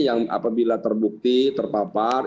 yang apabila terbukti terpapar